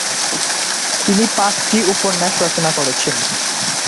তিনি পাঁচটি উপন্যাস রচনা করেছেন।